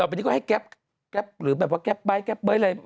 ต่อไปนี้ก็ให้แก๊บหรือแบบว่าแก๊บใบแก๊บเบ้ยอะไร